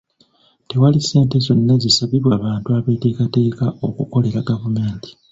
Tewali ssente zonna zisabibwa bantu abeetekateeka okukolera gavumenti.